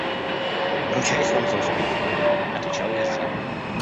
– Ручаюсь вам за успех, – отвечал я с жаром.